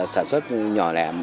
sản xuất nhỏ lẻ